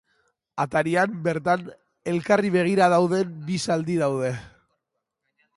Atarian bertan elkarri begira dauden bi zaldi daude.